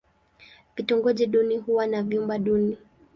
Vitongoji duni huwa na vyumba duni.